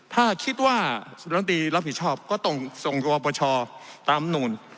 ถ้าคิดว่าสุรนตรีรับผิดชอบก็ต้องส่งตัวประชาตามนู่น